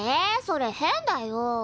それ変だよ。